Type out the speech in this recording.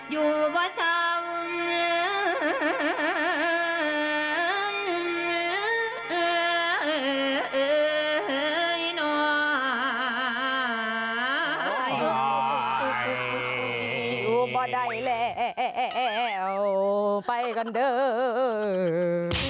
อยู่ป่าใดแล้วไปกันเดิม